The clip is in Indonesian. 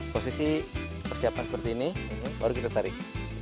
posisi persiapan seperti ini baru kita tarik